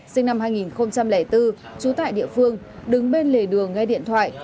sinh năm hai nghìn bốn trú tại địa phương đứng bên lề đường nghe điện thoại